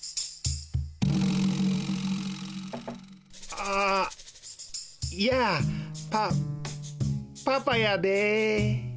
あやあパパパやで。